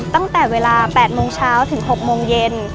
ตั้งแต่เวลา๘โมงเช้าถึง๖โมงเย็น